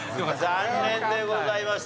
残念でございました。